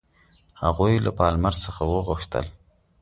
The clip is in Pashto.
هغوی له پالمر څخه وغوښتل.